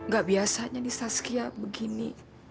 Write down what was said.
gak biasanya di saskia begini